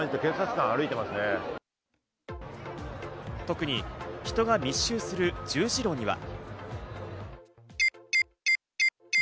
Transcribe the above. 特に人が密集する十字路には。